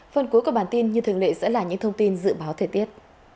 phần cuối của bản tin như thường lệ sẽ là những thông tin dự báo thời tiết